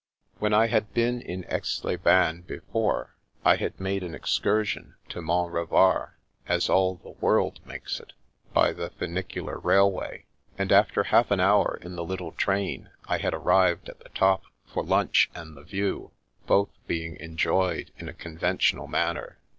When I had been in Aix les Bains before, I had made the excursion to Mont Revard, as all the world makes it, by the funicular railway ; and after half an hour in the little train, I had arrived at the top for lunch and the view, both being enjoyed in a con ventional manner.